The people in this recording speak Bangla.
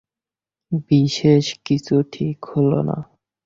বিশেষ কিছু ঠিক হইল না।